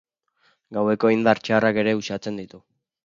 Gaueko indar txarrak ere uxatzen ditu.